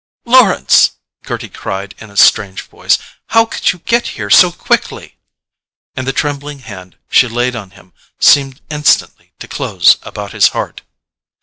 "Lawrence!" Gerty cried in a strange voice, "how could you get here so quickly?"—and the trembling hand she laid on him seemed instantly to close about his heart.